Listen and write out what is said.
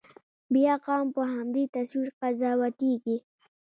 بیا قوم په همدې تصویر قضاوتېږي.